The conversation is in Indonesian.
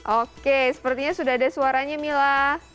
oke sepertinya sudah ada suaranya mila